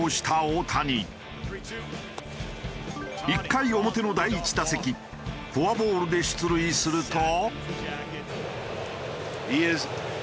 １回表の第１打席フォアボールで出塁すると。